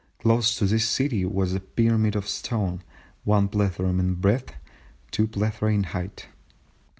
Close to this city was a pyramid of stone, one plethrum in breadth, two plethra in height....